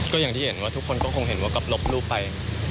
ก็อย่างที่เห็นว่าทุกคนก็คงเห็นว่ากลับลบรูปไป